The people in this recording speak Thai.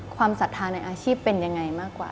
ความสัทธาในอาชีพเป็นอย่างไรมากกว่า